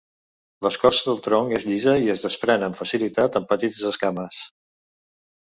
L'escorça del tronc és llisa i es desprèn amb facilitat en petites esquames.